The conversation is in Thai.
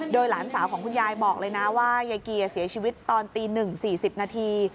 โดยหลานสาวของคุณยายบอกเลยนะว่ายายกีเสียชีวิตตอนตีหนึ่งสี่สิบนาที